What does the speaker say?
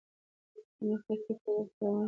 د همدې خرقې په زور پهلوانان وه